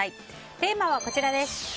テーマはこちらです。